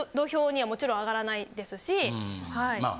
もちろん上がらないですしはい。